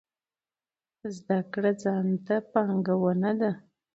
زده کړه ځان ته پانګونه ده